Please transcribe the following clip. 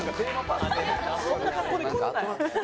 そんな格好で来んなよ。